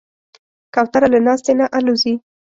کوتره له ناستې نه الوزي.